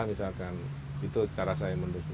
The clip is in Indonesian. misalkan itu cara saya mendukung